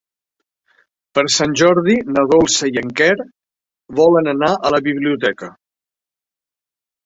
Per Sant Jordi na Dolça i en Quer volen anar a la biblioteca.